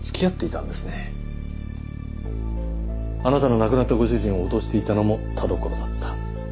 あなたの亡くなったご主人を脅していたのも田所だった。